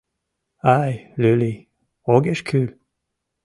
Ай, люли, огеш кӱл.